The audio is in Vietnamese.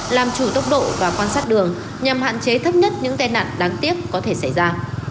làm chủ tốc độ và quan sát đường nhằm hạn chế thấp nhất những tai nạn đáng tiếc có thể xảy ra